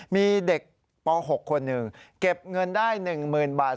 มีเด็กป๖คนหนึ่งเก็บเงินได้๑๐๐๐บาท